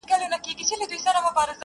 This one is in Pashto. د شېخانو د ټگانو، د محل جنکۍ واوره.